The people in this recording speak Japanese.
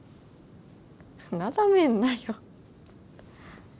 なだめんなよ。